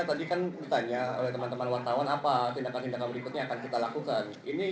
paling biasa kita bisa masuk ke pemba sendiri untuk dilakukan ini